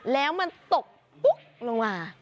แล้วมันตกปุ๊กลงมา